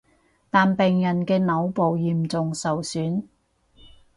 但病人嘅腦部嚴重受損